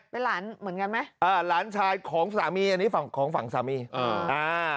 เป็นหลานเหมือนกันไหมอ่าหลานชายของสามีอันนี้ฝั่งของฝั่งสามีอ่าอ่า